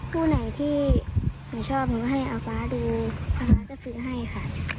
คู่ไหนที่หนูชอบหนูให้อาฟ้าดูอาฟ้าก็ซื้อให้ค่ะ